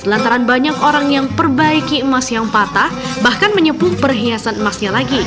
lantaran banyak orang yang perbaiki emas yang patah bahkan menyepuh perhiasan emasnya lagi